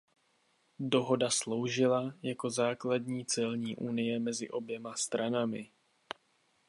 Dohoda sloužila jako základ celní unie mezi oběma stranami.